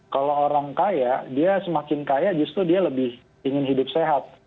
kalau orang kaya dia semakin kaya justru dia lebih ingin hidup sehat